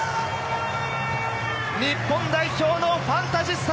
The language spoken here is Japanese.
日本代表のファンタジスタ！